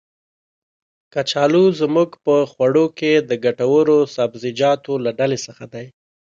کچالو زمونږ په خواړو کې د ګټور سبزيجاتو له ډلې څخه دی.